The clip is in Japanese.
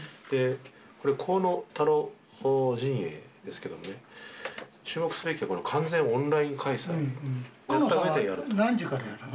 これ河野太郎陣営ですけどもね、注目すべきは、完全オンライン開河野さんは何時からやるの？